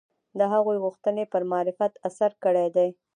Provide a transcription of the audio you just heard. د هغوی غوښتنې پر معرفت اثر کړی دی